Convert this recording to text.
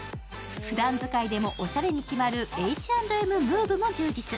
ふだん使いでもおしゃれに決まるＨ＆ＭＭｏｖｅも充実。